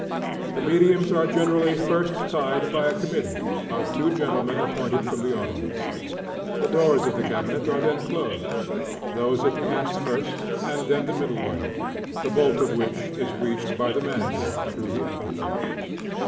The mediums are generally first tied by a committee of two gentlemen appointed from the audience. The doors of the cabinet are then closed, those at the ends first, and then the middle one, the bolt of which is reached by the manager through the aperture.